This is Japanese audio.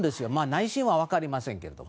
内心は分かりませんけど。